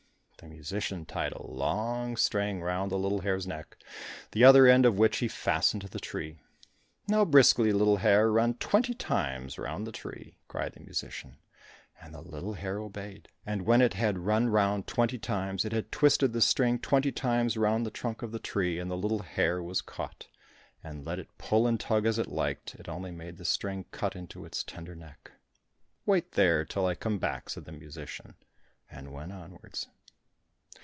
The musician tied a long string round the little hare's neck, the other end of which he fastened to the tree. "Now briskly, little hare, run twenty times round the tree!" cried the musician, and the little hare obeyed, and when it had run round twenty times, it had twisted the string twenty times round the trunk of the tree, and the little hare was caught, and let it pull and tug as it liked, it only made the string cut into its tender neck. "Wait there till I come back," said the musician, and went onwards.